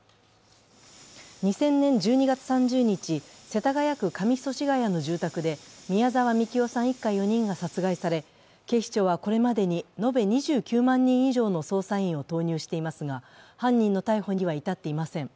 ２０００年１２月３０日、世田谷区上祖師谷の住宅で、宮沢みきおさん一家４人が殺害され警視庁はこれまでに延べ２９万人以上の捜査員を投入していますが犯人の逮捕には至っていません。